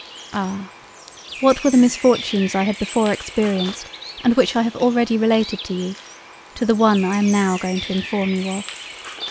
Ah! what were the misfortunes I had before experienced and which I have already related to you, to the one I am now going to inform you of.